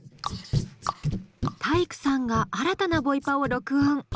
体育さんが新たなボイパを録音。